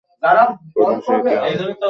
উপন্যাসটি ইতিবাচক পর্যালোচনা লাভ করে।